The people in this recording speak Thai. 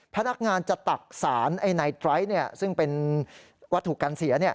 พนักงานจะตักสารไนตร้อยซ์ซึ่งเป็นวัตถุการเสียเนี่ย